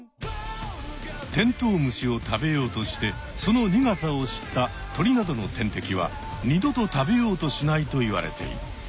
テントウムシを食べようとしてその苦さを知った鳥などの天敵は二度と食べようとしないといわれている。